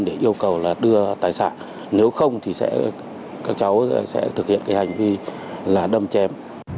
để yêu cầu là đưa tài sản nếu không thì các cháu sẽ thực hiện cái hành vi là đâm chém